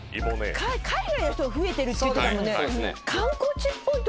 海外の人が増えてるって言ってたもんね。